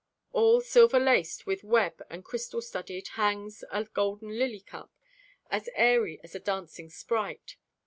All silver laced with web and crystal studded, hangs A golden lily cup, as airy as a dancing sprite.